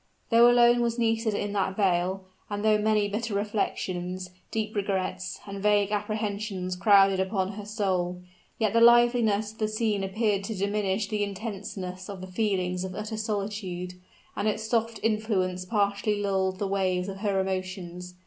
Though alone was Nisida in that vale, and though many bitter reflections, deep regrets, and vague apprehensions crowded upon her soul; yet the liveliness of the scene appeared to diminish the intenseness of the feelings of utter solitude, and its soft influence partially lulled the waves of her emotions.